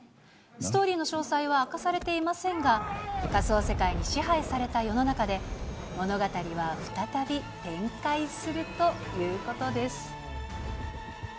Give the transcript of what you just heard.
ストーリーの詳細は明かされていませんが、仮想世界に支配された世の中で、物語は再び展開するということです。